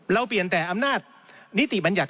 เปลี่ยนแต่อำนาจนิติบัญญัติ